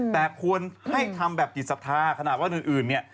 แต่ควรให้ทำแบบจิตศรัทธาขนาดว่าอื่นเนี่ย